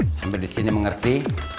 sampai disini mengerti